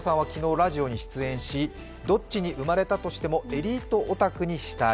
ラジオに出演し、どっちに産まれたとしてもエリートにしたい。